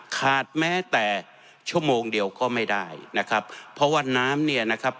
แม้แต่ชั่วโมงเดียวก็ไม่ได้นะครับเพราะว่าน้ำเนี่ยนะครับ